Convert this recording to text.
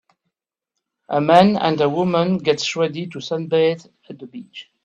A man and a woman gets ready to sunbathe at the beach.